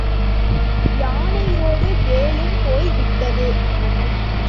யானையொடு வேலும் போய் விட்டது.